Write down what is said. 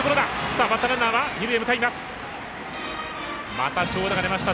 また長打が出ました。